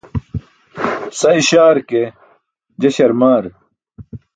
Sa iśaar ke, je śarmaar.